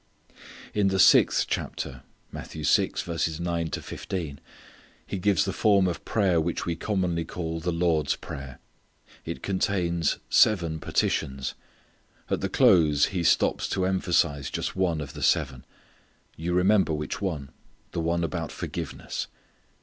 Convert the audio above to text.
In the sixth chapter He gives the form of prayer which we commonly call the Lord's prayer. It contains seven petitions. At the close He stops to emphasize just one of the seven. You remember which one; the one about forgiveness.